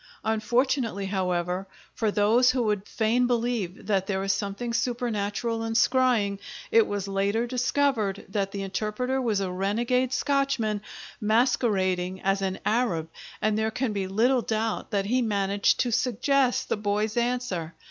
Unfortunately, however, for those who would fain believe that there is something supernatural in scrying, it was later discovered that the interpreter was a renegade Scotchman, masquerading as an Arab, and there can be little doubt that he managed to suggest the boy's answer.